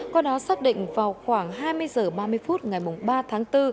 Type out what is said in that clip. con đó xác định vào khoảng hai mươi h ba mươi phút ngày ba tháng bốn